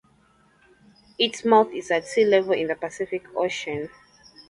Its mouth is at sea level in the Pacific Ocean.